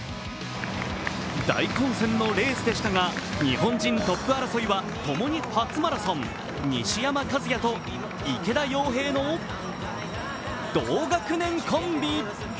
大混戦のレースでしたが、日本人トップ争いはともに初マラソン、西山和弥と池田耀平の同学年コンビ。